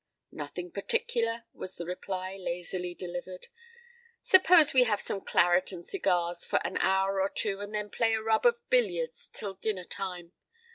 "Nothing particular," was the reply, lazily delivered. "Suppose we have some claret and cigars for an hour or two, and then play a rub of billiards till dinner time.